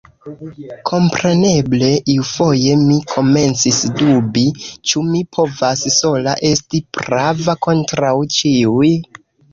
Kompreneble, iufoje mi komencis dubi, ĉu mi povas sola esti prava kontraŭ ĉiuj?